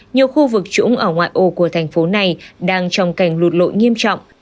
nhiều khu vực trũng ở ngoại ô của thành phố này đang trong cảnh lụt lội nghiêm trọng